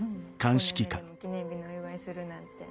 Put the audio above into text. ５年目でも記念日のお祝いするなんて。